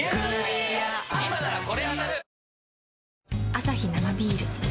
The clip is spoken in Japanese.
アサヒ生ビール